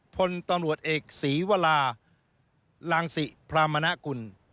พลตำรวจเอกศรีวรารังศิพรามณกุล